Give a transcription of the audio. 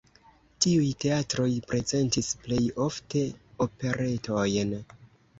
Tiuj teatroj prezentis plej ofte operetojn.